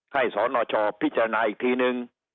สนชพิจารณาอีกทีนึง